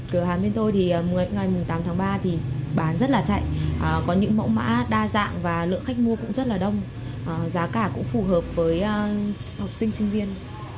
cửa hàng bên tôi thì ngày tám tháng ba thì bán rất là chạy có những mẫu mã đa dạng và lượng khách mua cũng rất là đông giá cả cũng phù hợp với học sinh sinh viên